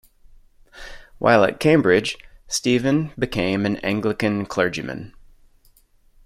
While at Cambridge, Stephen became an Anglican clergyman.